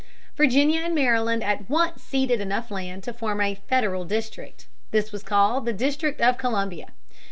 Virginia and Maryland at once ceded enough land to form a "federal district." This was called the District of Columbia.